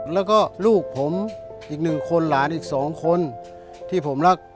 แล้วก็ลูกผมอีกหนึ่งคนหลานอีกสองคนที่ผมรัก